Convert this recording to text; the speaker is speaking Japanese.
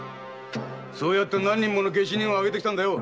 そうやって何人もの下手人を挙げてきたんだ。